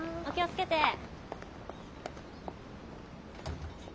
お気を付けて。